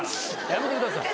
やめてください。